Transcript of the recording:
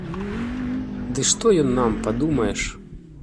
Ды што ён нам, падумаеш!